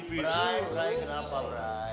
brai brai kenapa brai